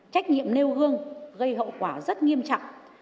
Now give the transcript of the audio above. trách nhiệm nêu gương gây hậu quả rất nghiêm trọng